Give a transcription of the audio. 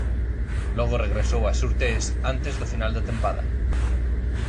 Logo regresou a Surtees antes do final da tempada.